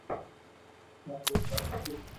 مخلوق بڻائي ٿي